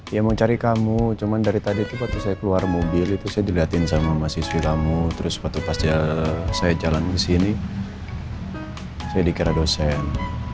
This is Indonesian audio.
iya mau cari kamu cuman dari tadi tuh waktu saya keluar mobil itu saya dilihatin sama mas iswilamu terus waktu pas jalan saya jalan ke sini saya dikira dosen